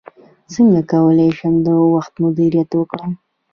څنګه کولی شم د وخت مدیریت وکړم